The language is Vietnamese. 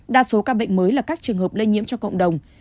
đa số ca bệnh mới là các trường hợp lây nhiễm cho cộng đồng